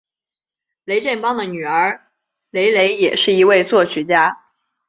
雷振邦的女儿雷蕾也是一位作曲家。